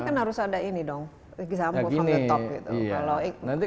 ini kan harus ada ini dong lagi sampul from the top gitu